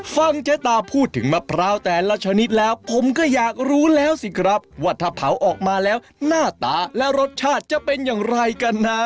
ฟังเจ๊ตาพูดถึงมะพร้าวแต่ละชนิดแล้วผมก็อยากรู้แล้วสิครับว่าถ้าเผาออกมาแล้วหน้าตาและรสชาติจะเป็นอย่างไรกันนะ